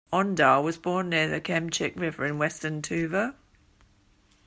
Ondar was born near the Khemchik River in western Tuva.